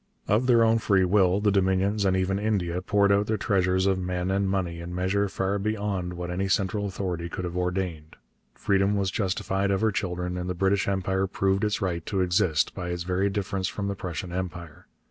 Of their own free will the Dominions and even India poured out their treasures of men and money in measure far beyond what any central authority could have ordained. Freedom was justified of her children, and the British Empire proved its right to exist by its very difference from the Prussian Empire.